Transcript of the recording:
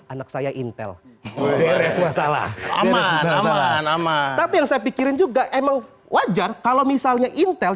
anak saya intel beres masalah aman aman tapi yang saya pikirin juga emang wajar kalau misalnya intel